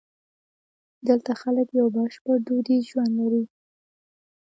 دلته خلک یو بشپړ دودیز ژوند لري.